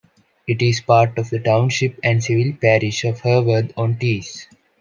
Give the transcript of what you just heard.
It is part of the township and civil parish of Hurworth-on-Tees.